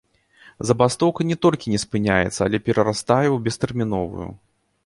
Забастоўка не толькі не спыняецца, але перарастае ў бестэрміновую.